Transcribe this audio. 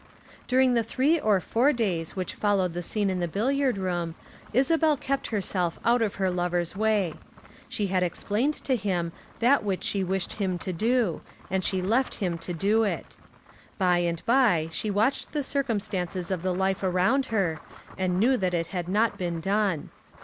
During the three or four days which followed the scene in the billiard room Isabel kept herself out of her lover's way. She had explained to him that which she wished him to do, and she left him to do it. Day by day she watched the circumstances of the life around her, and knew that it had not been done.